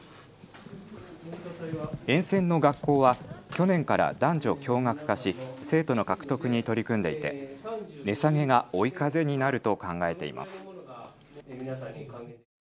沿線の学校は去年から男女共学化し生徒の獲得に取り組んでいて値下げが追い風になると考えています。